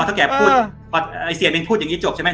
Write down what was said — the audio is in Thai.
พอเท้าแก่พูดเพราะไอ้เซียนเองพูดอย่างงี้จบใช่ไหม